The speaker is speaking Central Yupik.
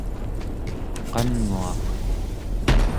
qannguaq